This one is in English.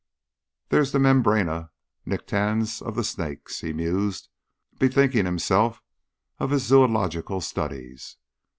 There's the membrana nictitans of the snakes," he mused, bethinking himself of his zoological studies.